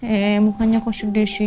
eh mukanya kok sedih sih